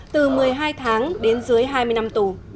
từ một mươi hai tháng đến dưới hai mươi năm tù